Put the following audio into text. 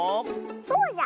そうじゃ。